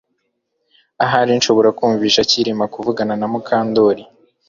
Ahari nshobora kumvisha Kirima kuvugana na Mukandoli